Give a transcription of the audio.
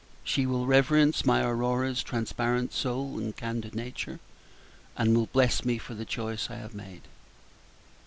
She will reverence my Aurora's transparent soul and candid nature, and will bless me for the choice I have made."